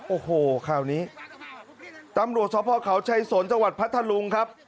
โอ้โหข่าวนี้ตำรวจสภเขาชัยสนจังหวัดพัทธลุงครับ